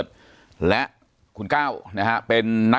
ปากกับภาคภูมิ